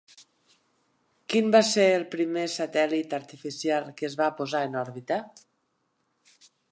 Quin va ser el primer satèl·lit artificial que es va posar en òrbita?